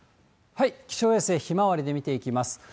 気象衛星ひまわりで見ていきます。